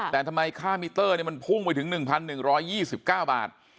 แต่ทำไมค่ามิเตอร์มันพุ่งไปถึง๑๑๒๙บาท